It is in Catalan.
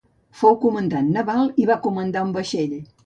Fou comandant naval i va comandar un vaixell.